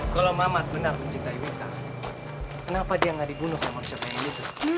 kalau mamat benar mencintai wita kenapa dia gak dibunuh sama manusia bayangan itu